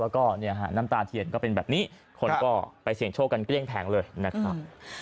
แล้วก็เนี่ยก็เป็นแบบนี้คนก็ไปเสียงโชคกันเกลี้ยงแผงเลยนะครับ